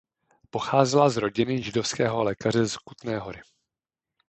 Pocházela z rodiny židovského lékaře z Kutné Hory.